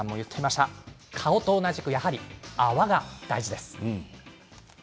顔と同じく泡が大事です。